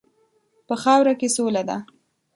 په خاوره کې سوله ده.